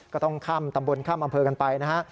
ก็ต้องข้ามตำบลข้ามอำเภอกันไปนะฮะ